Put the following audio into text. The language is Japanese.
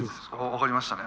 分かりましたね。